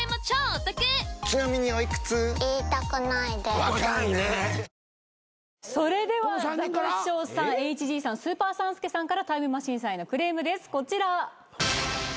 キリンのクラフトビール「スプリングバレー」からそれではザコシショウさんＨＧさんスーパー３助さんからタイムマシーンさんへのクレームですこちら。